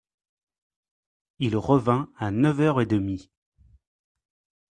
Il revint à neuf heures et demie.